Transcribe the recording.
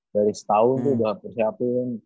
dari setahun tuh udah persiapin